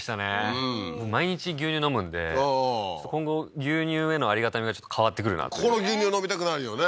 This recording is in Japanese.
うん毎日牛乳飲むんでああー今後牛乳へのありがたみがちょっと変わってくるなってここの牛乳飲みたくなるよね